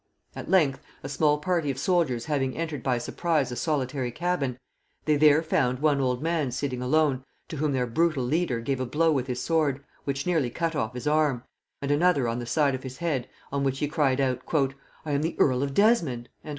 At length, a small party of soldiers having entered by surprise a solitary cabin, they there found one old man sitting alone, to whom their brutal leader gave a blow with his sword, which nearly cut off his arm, and another on the side of his head; on which he cried out, "I am the earl of Desmond."